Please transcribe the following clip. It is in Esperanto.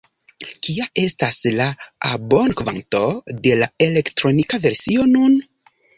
Kia estas la abonkvanto de la elektronika versio nun?